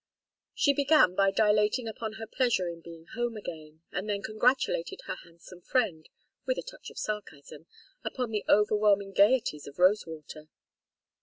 She began by dilating upon her pleasure in being home again, and then congratulated her handsome friend, with a touch of sarcasm, upon the overwhelming gayeties of Rosewater.